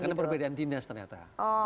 karena perbedaan dinas ternyata